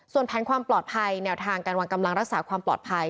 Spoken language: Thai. ส่วนแผนความปลอดภัยแนวทางการวางกำลังรักษาความปลอดภัย